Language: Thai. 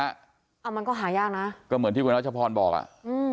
เอามันก็หายากนะก็เหมือนที่คุณรัชพรบอกอ่ะอืม